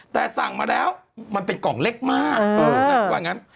แต่สั่งมาแล้วมันเป็นกล่องเล็กมากว่างั้น